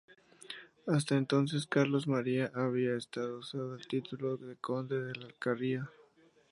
Hasta entonces Carlos María había estado usando el título de conde de la Alcarria.